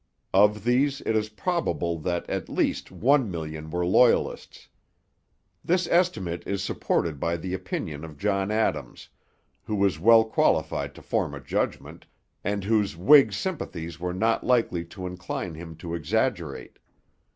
Of these it is probable that at least one million were Loyalists. This estimate is supported by the opinion of John Adams, who was well qualified to form a judgment, and whose Whig sympathies were not likely to incline him to exaggerate.